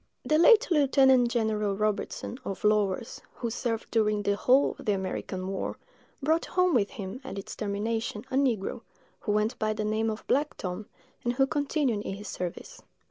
The late Lieutenant General Robertson, of Lawers, who served during the whole of the American war, brought home with him, at its termination, a negro, who went by the name of Black Tom, and who continued in his service.